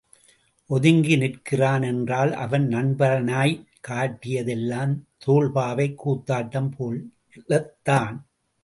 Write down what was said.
ஒதுங்கி நிற்கிறான் என்றால் அவன் நண்பனாய்க் காட்டியதெல்லாம் தோல்பாவைக் கூத்தாட்டம் போலத்தான்!